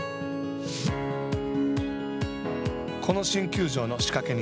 この新球場の仕掛け人